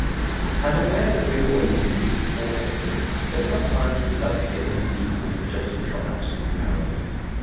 I am aware that we are wading in deep water here, but sometimes we love to get into deep water just to try our swimming powers.